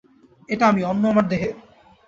এটা আমি, অন্য আমার দেহে।